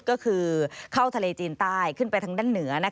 ก็คือเข้าทะเลจีนใต้ขึ้นไปทางด้านเหนือ